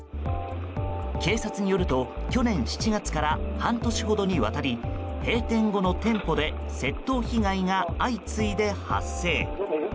警察によると去年７月から半年ほどにわたり閉店後の店舗で窃盗被害が相次いで発生。